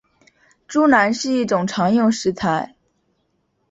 猪腩是一种常用的食材。